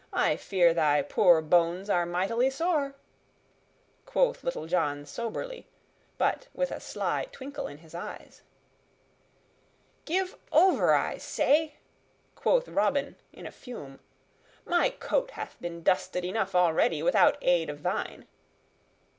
I fear thy poor bones are mightily sore," quoth Little John soberly, but with a sly twinkle in his eyes. "Give over, I say!" quoth Robin in a fume. "My coat hath been dusted enough already, without aid of thine."